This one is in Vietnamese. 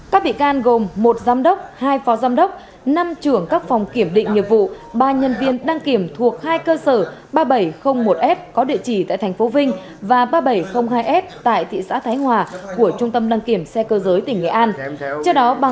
các bị can gồm một giám đốc hai phó giám đốc năm trưởng các phòng kiểm định nhiệm vụ ba nhân viên đăng kiểm thuộc hai cơ sở ba nghìn bảy trăm linh một s có địa chỉ tại tp vinh và ba nghìn bảy trăm linh hai s tại thị xã thái hoa